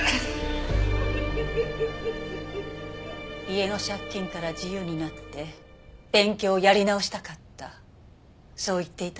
家の借金から自由になって勉強をやり直したかったそう言っていたわ。